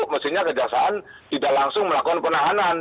mestinya kejaksaan tidak langsung melakukan penahanan